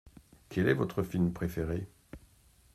Quel est votre film préféré ?